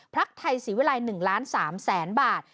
พักไทยศีวิลัย๑๓๐๐๐๐๐บาท